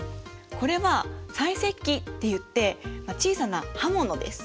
これは細石器っていってまあ小さな刃物です。